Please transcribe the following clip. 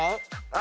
あ！